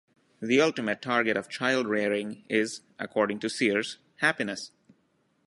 The ultimate target of child rearing is, according to Sears, happiness.